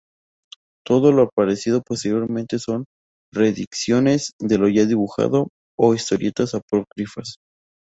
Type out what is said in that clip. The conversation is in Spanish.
Todo lo aparecido posteriormente son reediciones de lo ya dibujado, o historietas apócrifas.